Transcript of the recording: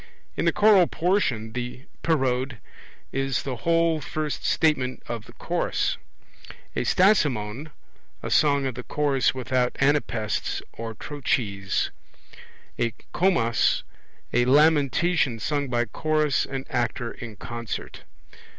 In the choral portion the Parode is the whole first statement of the chorus; a Stasimon, a song of the chorus without anapaests or trochees; a Commas, a lamentation sung by chorus and actor in concert.